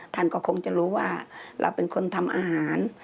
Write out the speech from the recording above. ท่านก็คงจะรู้ว่าเราเป็นคนทำอาหาร